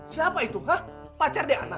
siapa itu hah pacar deana